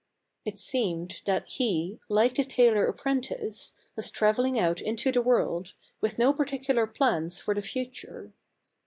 It seemed that he, like the tailor apprentice, was traveling out into the world, with no particular plans for the future.